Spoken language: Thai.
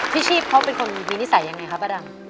พี่ชีพเขาเป็นคนมีนิสัยอย่างไรคะป้าดำ